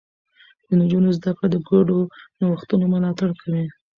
د نجونو زده کړه د ګډو نوښتونو ملاتړ کوي.